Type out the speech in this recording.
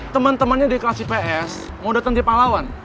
temen temennya di kelas ips mau dateng di panglawan